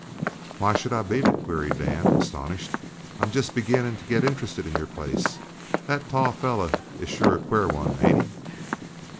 "Why should I beat it?" queried Dan, astonished. "I'm jest beginnin' to get interested in your place. That tall feller is sure a queer one, ain't he?"